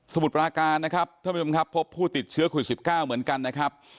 สมุดประหการพบผู้ติดเชื้อคุณสิบเก้าเหมือนกันนะครับ